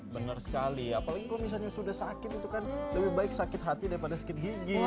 benar sekali apalagi kalau misalnya sudah sakit itu kan lebih baik sakit hati daripada sakit gigi